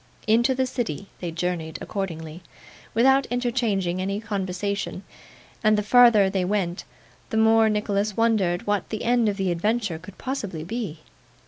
Into the city they journeyed accordingly, without interchanging any conversation; and the farther they went, the more Nicholas wondered what the end of the adventure could possibly be.